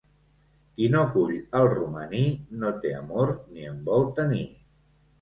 Qui no cull el romaní no té amor ni en vol tenir.